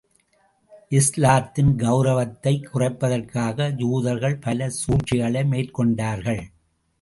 இஸ்லாத்தின் கெளரவத்தைக் குறைப்பதற்காக, யூதர்கள் பல சூழ்ச்சிகளை மேற்கொண்டார்கள்.